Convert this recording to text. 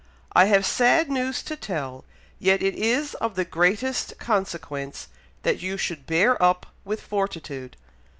I have sad news to tell, yet it is of the very greatest consequence that you should bear up with fortitude.